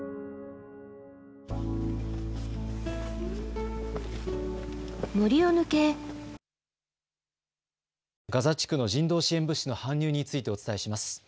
ではここでガザ地区の人道支援物資の搬入についてお伝えします。